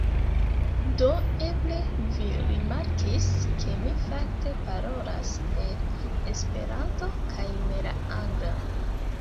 Do eble vi rimarkis, ke mi fakte parolas per Esperanto kaj ne la angla.